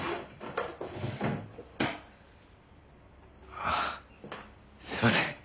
ああすいません